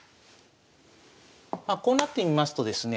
まあこうなってみますとですね